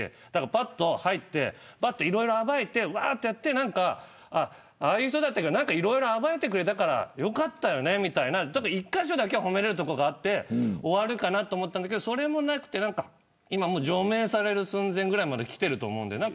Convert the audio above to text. ぱっと入って、いろいろ暴いてああいう人だったけどいろいろ暴いてくれたからよかったよね、みたいな一カ所だけ褒めるところがあって終わるかなと思ったけどそれもなくて除名される寸前まできていると思うので。